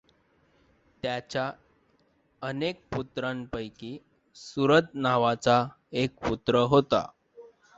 त्याच्या अनेक पुत्रांमध्ये सुरथ नावाचा एक पुत्र होता.